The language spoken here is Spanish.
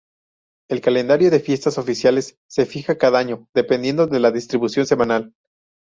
El calendario de fiestas oficiales se fija cada año, dependiendo de la distribución semanal.